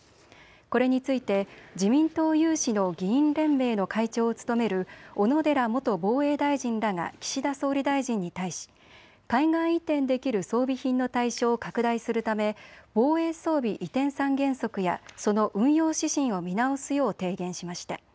これについて自民党有志の議員連盟の会長を務める小野寺元防衛大臣らが岸田総理大臣に対し海外移転できる装備品の対象を拡大するため防衛装備移転三原則やその運用指針を見直すよう提言しました。